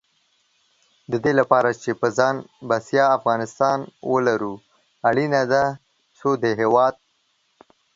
د دې لپاره چې په ځان بسیا افغانستان ولرو، اړینه ده څو د هېواد